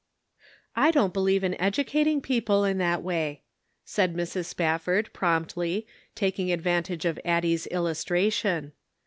" I don't believe in educating people in that way," said Mrs. SpafTord, promptly, taking advantage of Addie's illustration.